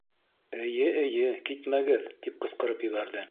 —Эйе-эйе, китмәгеҙ! —тип ҡысҡырып ебәрҙе.